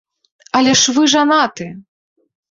Але ж вы жанаты.